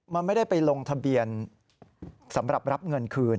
มันไม่ได้ไปลงทะเบียนสำหรับรับเงินคืน